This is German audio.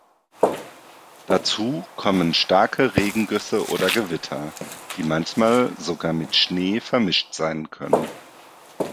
Dazu kommen starke Regengüsse oder Gewitter, die manchmal sogar mit Schnee vermischt sein können.